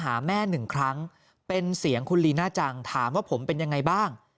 หาแม่หนึ่งครั้งเป็นเสียงคุณลีน่าจังถามว่าผมเป็นยังไงบ้าง